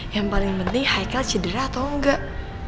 yang paling penting haikal cedera atau enggak